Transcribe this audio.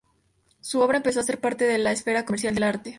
Su obra empezó a ser parte de la esfera comercial del arte.